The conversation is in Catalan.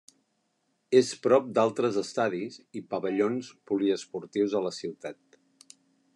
És prop d'altres estadis i pavellons poliesportius de la ciutat.